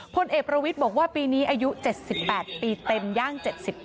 พลเอกประวิทย์บอกว่าปีนี้อายุ๗๘ปีเต็มย่าง๗๘